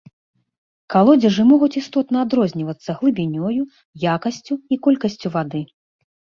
Калодзежы могуць істотна адрознівацца глыбінёю, якасцю і колькасцю вады.